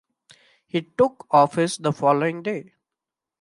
He took office the following day.